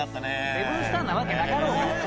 セブンスターなわけなかろうが。